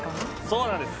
そうなんです